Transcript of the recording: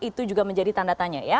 itu juga menjadi tanda tanya ya